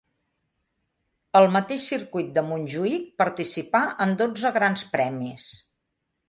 Al mateix circuit de Montjuïc participà en dotze grans premis.